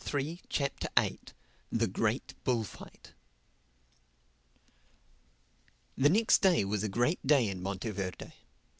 THE EIGHTH CHAPTER THE GREAT BULLFIGHT THE next day was a great day in Monteverde.